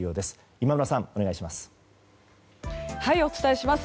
今村さん、お願いします。